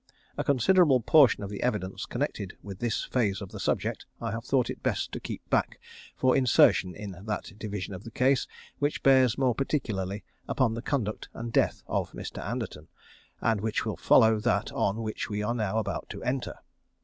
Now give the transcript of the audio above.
A considerable portion of the evidence connected with this phase of the subject I have thought it best to keep back for insertion in that division of the case which bears more particularly upon the conduct and death of Mr. Anderton, and which will follow that on which we are now about to enter.